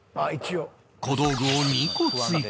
小道具を２個追加